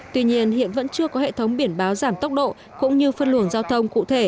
tuy nhiên hiện vẫn chưa có hệ thống biển báo giảm tốc độ cũng như phân luồng giao thông cụ thể